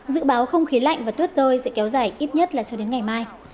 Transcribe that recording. dự báo không khí lạnh và tuyết rơi sẽ kéo dài ít nhất là cho đến ngày mai